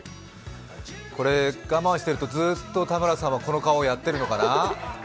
これ、我慢しているとずっと田村さんはこの顔をやっているのかな？